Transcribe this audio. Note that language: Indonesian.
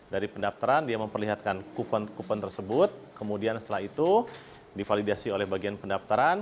dari pendaftaran dia memperlihatkan kupon kupon tersebut kemudian setelah itu divalidasi oleh bagian pendaftaran